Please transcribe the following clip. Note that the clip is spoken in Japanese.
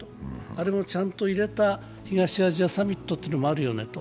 あれもちゃんと入れた東アジアサミットというのもあるよねと。